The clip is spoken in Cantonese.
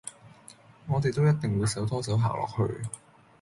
我地都一定會手拖手行落去